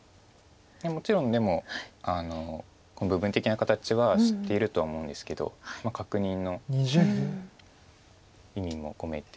もちろんでも部分的な形は知っているとは思うんですけど確認の意味も込めて。